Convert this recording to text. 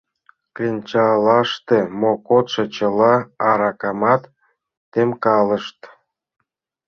Кленчалаште мо кодшо чыла аракамат темкалышт.